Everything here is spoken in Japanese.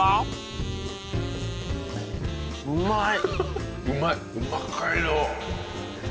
うまい。